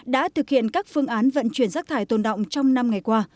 đã thực hiện các phương án vận chuyển rác thải tồn động trong năm ngày qua